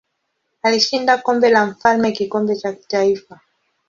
Alishinda Kombe la Mfalme kikombe cha kitaifa.